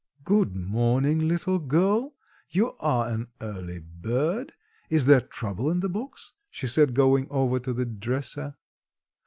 "Good morning, little girl, you are an early bird; is there trouble in the box?" she said going over to the dresser.